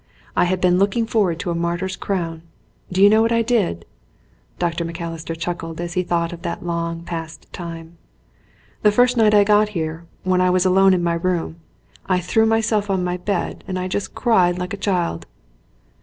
I had been looking forward to a martyr's crown. Do you know what I did?" Dr. Macalister chuckled as he thought of that long passed time. "The first night I got here, when I was alone in my room, I threw myself on my bed and I just cried like a child."